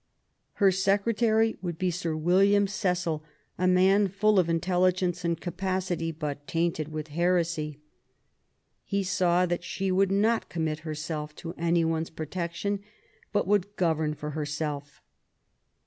Her secretary would be Sir William Cecil, a man full of intelligence and capacity, but tainted with heresy. He saw that she would not commit herself to any one's protection, but would govern for herself.